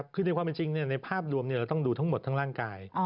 คือในความเป็นจริงในภาพรวมเราต้องดูทั้งหมดทั้งร่างกาย